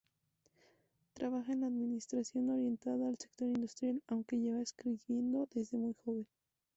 Trabaja en la administración orientada al sector industrial, aunque lleva escribiendo desde muy joven.